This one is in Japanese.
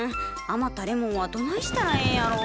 余ったレモンはどないしたらええんやろ。